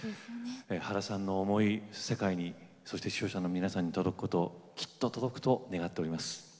原さんの思い、世界にそして視聴者の皆さんに届くこときっと届くと願っております。